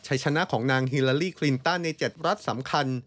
ใช้ชนะของนางฮิลาลีคลินตันใน๗รัฐสำคัญ